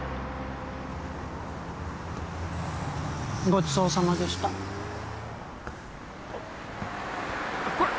ごちそうさまでしたあっ